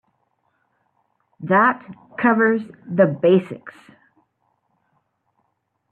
That covers the basics.